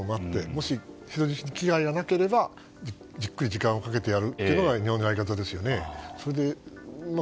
もし、人質に危害がなければじっくり時間をかけて人質を解放するのが日本のやり方ですよね。